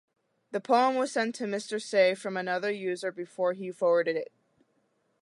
The poem was sent to Mr. Say from another user before he forwarded it.